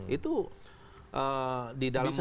itu di dalam musim